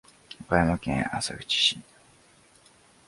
岡山県浅口市